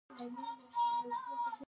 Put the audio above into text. د ګل غوټو مسكيتوبونه به اورونه کوي